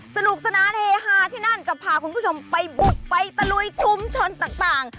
สนุกสนานเฮฮาที่นั่นจะพาคุณผู้ชมไปบุตรไปตะลุยชุมชนต่าง